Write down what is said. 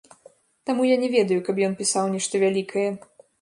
Таму я не ведаю, каб ён пісаў нешта вялікае.